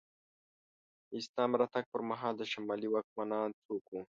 د اسلام راتګ پر مهال د شمالي واکمنان څوک وو؟